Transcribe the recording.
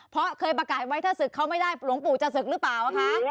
เพราะเคยประกาศไว้ถ้าศึกเขาไม่ได้หลวงปู่จะศึกหรือเปล่าคะ